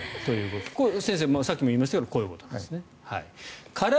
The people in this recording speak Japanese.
先生さっきも言いましたけどこういうことですね。